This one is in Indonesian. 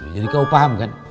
jadi kau paham kan